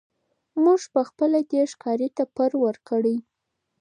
موږ پخپله دی ښکاري ته پر ورکړی